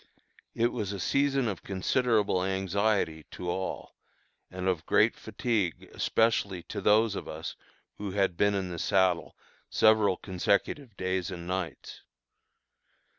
It was a season of considerable anxiety to all, and of great fatigue especially to those of us who had been in the saddle several consecutive days and nights.